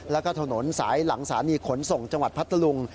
แล้วก็ถนนสายหลังสถานีขนส่งจังหวัดพัทธลุง